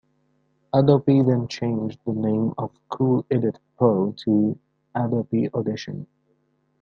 Adobe then changed the name of Cool Edit Pro to "Adobe Audition".